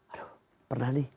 aduh pernah nih